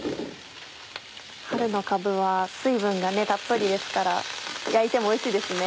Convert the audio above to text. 春のかぶは水分がたっぷりですから焼いてもおいしいですね。